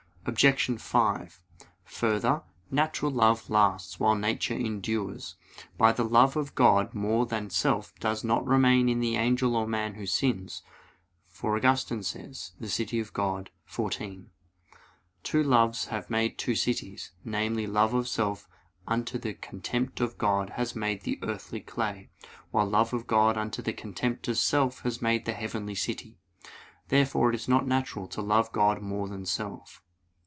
Obj. 5: Further, natural love lasts while nature endures. But the love of God more than self does not remain in the angel or man who sins; for Augustine says (De Civ. Dei xiv), "Two loves have made two cities; namely love of self unto the contempt of God has made the earthly city; while love of God unto the contempt of self has made the heavenly city." Therefore it is not natural to love God more than self.